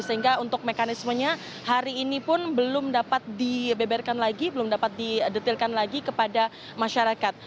sehingga untuk mekanismenya hari ini pun belum dapat dibeberkan lagi belum dapat didetilkan lagi kepada masyarakat